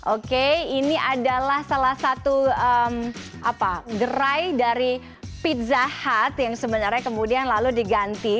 oke ini adalah salah satu gerai dari pizza hut yang sebenarnya kemudian lalu diganti